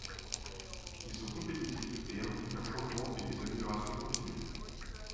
Ils sont compétitifs et impliquent un changement et des améliorations continus.